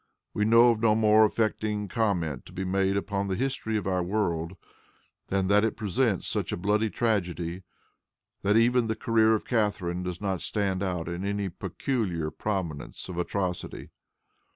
We know of no more affecting comment to be made upon the history of our world, than that it presents such a bloody tragedy, that even the career of Catharine does not stand out in any peculiar prominence of atrocity.